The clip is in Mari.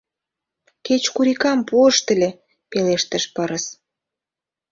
— Кеч курикам пуышт ыле, — пелештыш пырыс..